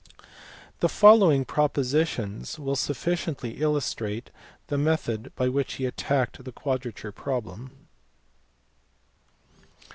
The following propositions will sufficiently illustrate the method by which he attacked the quadrature problem.